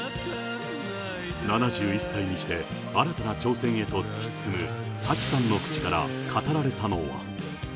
７１歳にして、新たな挑戦へと突き進む舘さんの口から語られたのは。